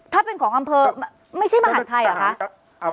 ถ้าเป็นของอำเภอไม่ใช่มหาดไทยเหรอคะ